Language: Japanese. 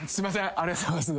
ありがとうございます。